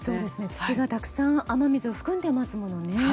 土がたくさん雨水を含んでいますものね。